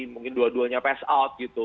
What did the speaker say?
mungkin dua duanya pass out gitu